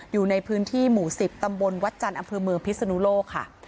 อยู่ในพื้นที่หมู่๑๐ตำบลวัดจันทร์อำเภอเมืองพิศนุโลกค่ะ